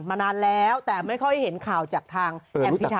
มานานแล้วแต่ไม่ค่อยเห็นข่าวจากทางแอมพิธา